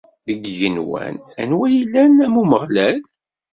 Deg yigenwan, anwa yellan am Umeɣlal?